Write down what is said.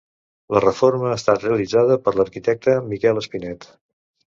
La reforma ha estat realitzada per l'arquitecte Miquel Espinet.